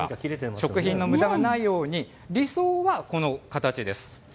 食品のむだがないように、理想はこの形です。